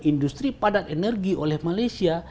industri padat energi oleh malaysia